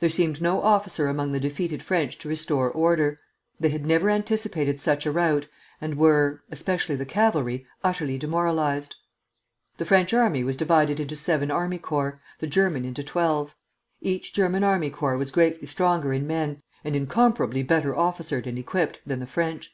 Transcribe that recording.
There seemed no officer among the defeated French to restore order. They had never anticipated such a rout, and were, especially the cavalry, utterly demoralized. The French army was divided into seven army corps, the German into twelve. Each German army corps was greatly stronger in men, and incomparably better officered and equipped, than the French.